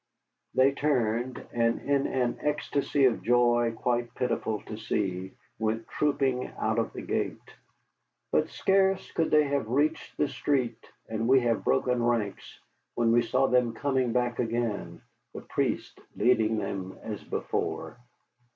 They turned, and in an ecstasy of joy quite pitiful to see went trooping out of the gate. But scarce could they have reached the street and we have broken ranks, when we saw them coming back again, the priest leading them as before.